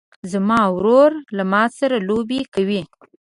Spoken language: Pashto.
زما ورور له ما سره لوبې کوي.